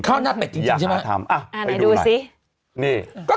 ข้าวหน้าเป็ดจริงใช่ไหมอ่ะไปดูหน่อยนี่ค่ะทำ